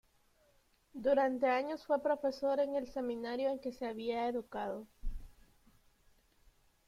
Durante años fue profesor en el seminario en que se había educado.